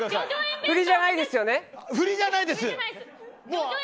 振りじゃないです。